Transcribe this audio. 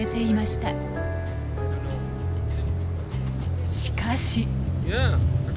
しかし。